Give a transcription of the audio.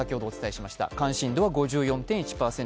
関心度は５４．１％。